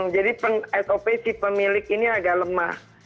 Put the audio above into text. jadi sop si pemilik ini agak lemah